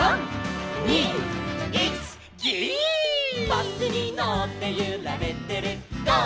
「バスにのってゆられてるゴー！